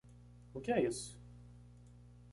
O que é isso?